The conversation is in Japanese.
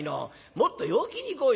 もっと陽気にいこうよ。